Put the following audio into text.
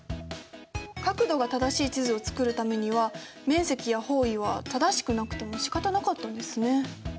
角度が正しい地図を作るためには面積や方位は正しくなくてもしかたなかったんですね。